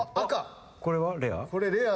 これはレア？